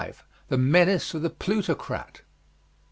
THE MENACE OF THE PLUTOCRAT.